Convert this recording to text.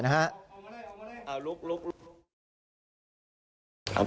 เอาลุก